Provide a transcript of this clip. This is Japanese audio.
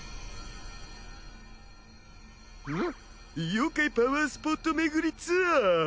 妖怪パワースポット巡りツアー？